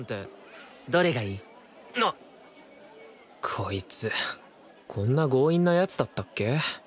こいつこんな強引な奴だったっけ？